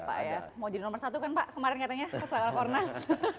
mau jadi nomor satu kan pak kemarin katanya selama rakornas